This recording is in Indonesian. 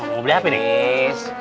mau beli apa nih